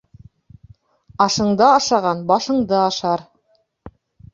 Ашыңды ашаған башыңды ашар.